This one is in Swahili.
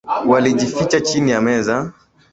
Walijificha chini ya meza.